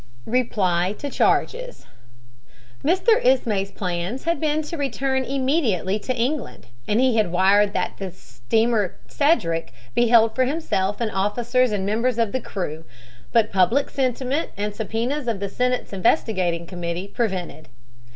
REPLY TO CHARGES Mr. Ismay's plans had been to return immediately to England, and he had wired that the steamer Cedric be held for himself and officers and members of the crew; but public sentiment and subpoenas of the Senate's investigating committee prevented.